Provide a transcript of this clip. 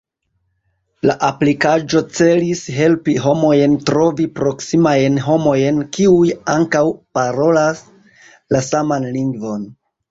La aplikaĵo celis helpi homojn trovi proksimajn homojn kiuj ankaŭ parolas la saman lingvon.